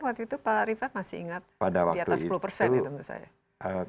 waktu itu pak rifat masih ingat di atas sepuluh persen ya tentu saja